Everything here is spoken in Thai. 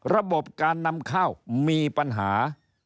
ระบบการนำข้าวมีปัญหา